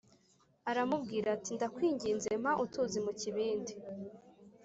aramubwira ati “Ndakwinginze mpa utuzi mu kibindi”